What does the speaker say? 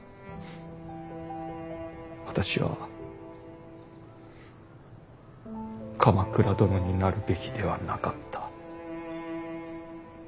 私は鎌倉殿になるべきではなかった。